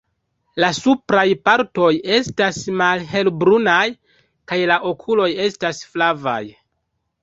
La supraj partoj estas malhelbrunaj, kaj la okuloj estas flavaj.